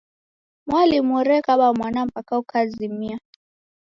Mwalimu orekaba mwana mpaka ukazimia.